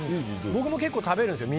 僕も結構食べるんですよ。